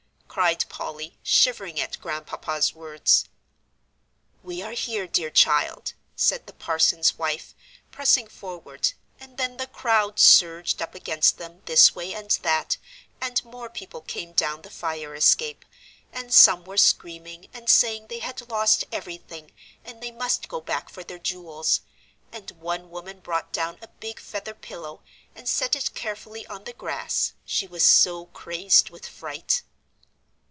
cried Polly, shivering at Grandpapa's words. "We are here, dear child," said the parson's wife, pressing forward, and then the crowd surged up against them this way and that, and more people came down the fire escape, and some were screaming and saying they had lost everything, and they must go back for their jewels, and one woman brought down a big feather pillow, and set it carefully on the grass, she was so crazed with fright.